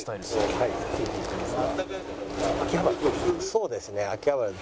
そうですね。